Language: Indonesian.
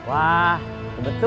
kebetulan atau memang kebetulan